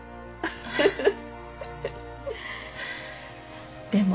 フフフフ。